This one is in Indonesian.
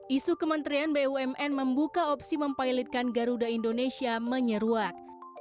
isu kementerian bumn membuka opsi mempilotkan garuda indonesia menyeruak